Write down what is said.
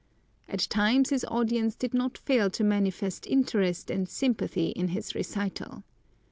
At times his audience did not fail to manifest interest and sympathy in his recital.